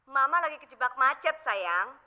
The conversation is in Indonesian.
mama lagi kejebak macet sayang